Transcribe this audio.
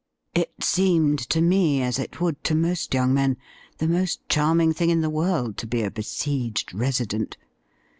It seemed to me, as it would to most young men, the most charming thing in the world to be a besieged resident.